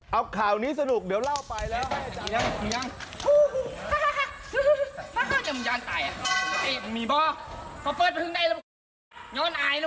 เอาข่าวนี้สนุกเดี๋ยวเล่าไปแล้ว